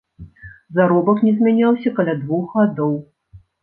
Заробак не змяняўся каля двух гадоў.